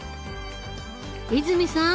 泉さん